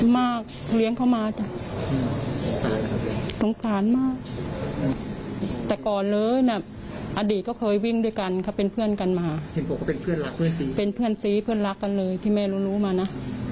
มากเลี้ยงเขามาจ่ะสงสารมากแต่ก่อนเลยน่ะอดีตเขาเคยวิ่งด้วยกันเขาเป็นเพื่อนกันมาเป็นเพื่อนสีเพื่อนรักกันเลยที่แม่รู้รู้มานะ